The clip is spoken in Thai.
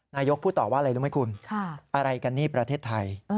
นายกพูดต่อว่าอะไรรู้ไหมคุณอะไรกันนี่ประเทศไทย